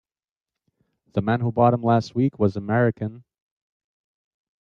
The man who bought them last week was American.